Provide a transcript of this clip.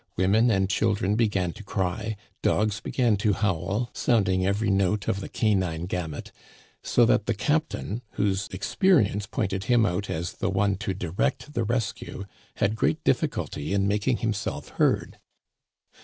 Women and children began to cry. Dogs began lo howl, sounding every note of the canine gamut ; so that the captain, whose experience pointed him out as the one to direct the rescue, had great difficulty in making himself heard.